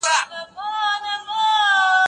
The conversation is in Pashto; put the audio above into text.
که پلټنه وي نو علم نه پاتې کیږي.